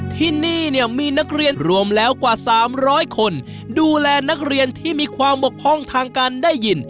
ที่นี่เนี่ยมีนักเรียนรวมแล้วกว่า๓๐๐คนดูแลนักเรียนที่มีความบกพร่องทางการได้ยิน